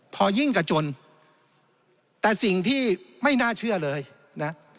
พอยิ่งกับจนแต่สิ่งที่ไม่น่าเชื่อเลยนะ